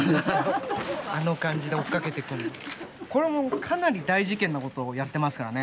これもうかなり大事件なことをやってますからね